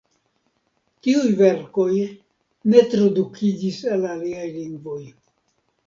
Tiuj verkoj ne tradukiĝis al aliaj lingvoj.